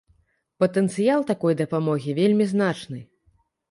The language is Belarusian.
Патэнцыял такой дапамогі вельмі значны.